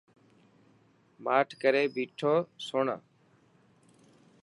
ماٺ ڪري بيٺو سوڻ.